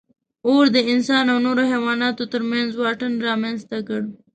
اور د انسان او نورو حیواناتو تر منځ واټن رامنځ ته کړ.